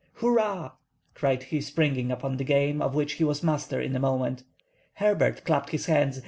"Hurrah!" cried he, springing upon the game, of which he was master in a moment. Herbert clapped his hands.